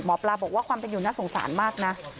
หมอปลาบอกว่าความเป็นอยู่น่าสงสารมากนะ